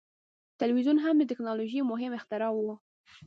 ټلویزیون هم د ټیکنالوژۍ یو مهم اختراع وه.